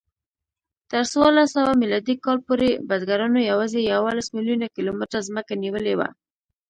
تر څوارلسسوه میلادي کال پورې بزګرانو یواځې یوولس میلیونه کیلومتره ځمکه نیولې وه.